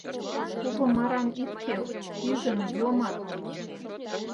Купым арам ит кел, пижын, йомат.